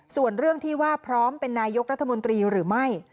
ส่วนเรื่องที่ว่าพร้อมเป็นนายกรัฐมนตรีหรือไม่